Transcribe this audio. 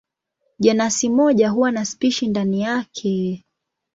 Jenasi moja huwa na spishi ndani yake.